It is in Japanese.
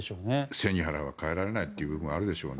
背に腹は代えられないという部分はあるでしょうね。